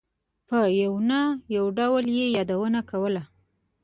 په یوه نه یو ډول یې یادونه کوله.